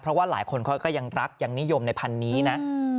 เพราะว่าหลายคนเขาก็ยังรักยังนิยมในพันธุ์นี้นะ